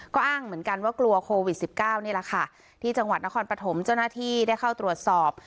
ก็อ้างเหมือนกันว่ากลัวโควิด๑๙นี่แหละค่ะที่จังหวัดนครปฐมเจ้าหน้าที่ได้เข้าตรวจสอบ